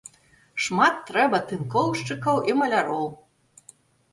Шмат трэба тынкоўшчыкаў і маляроў.